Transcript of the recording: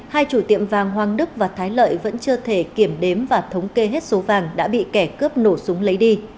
hai chủ tiệm vàng hoàng đức và thái lợi vẫn chưa thể kiểm đếm và thống kê hết số vàng đã bị kẻ cướp nổ súng lấy đi